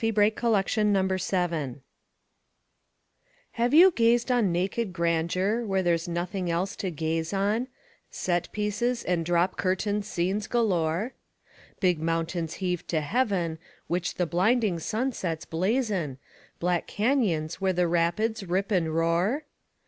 _ The Call of the Wild Have you gazed on naked grandeur where there's nothing else to gaze on, Set pieces and drop curtain scenes galore, Big mountains heaved to heaven, which the blinding sunsets blazon, Black canyons where the rapids rip and roar?